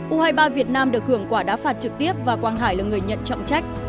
u hai mươi ba việt nam được hưởng quả đá phạt trực tiếp và quang hải là người nhận trọng trách